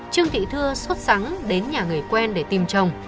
trương thị thưa xuất sẵn đến nhà người quen để tìm chồng